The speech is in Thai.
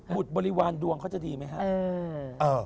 บริวารดวงเขาจะดีไหมครับ